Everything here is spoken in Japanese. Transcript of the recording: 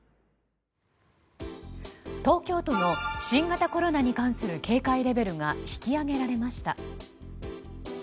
東京都の新型コロナに関する警戒レベルが引き上げられました。